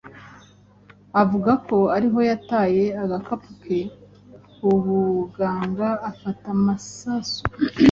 avuga ko ariho yataye agakapu ke k’ubuganga afata amasasu,